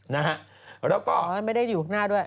นะฮะแล้วก็ไม่ได้อยู่ข้างหน้าด้วย